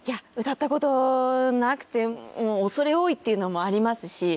歌ったことなくて恐れ多いっていうのもありますし。